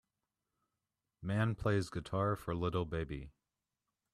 Man plays guitar for little baby.